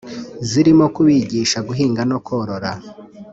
zirimo kubigisha guhinga no korora